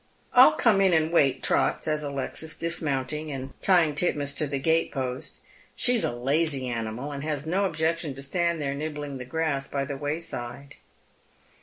" I'll come in and wait, Trot," says Alexis, dismounting, and tying Titmouse to the gatepost. She is a lazy animal, and has no objection to stand there nibbling the grass by the wayside.